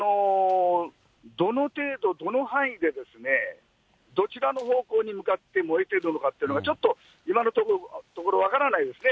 どの程度、どの範囲で、どちらの方向に向かって燃えてるのかっていうのが、ちょっと今のところ分からないですね。